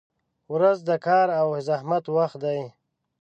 • ورځ د کار او زحمت وخت دی.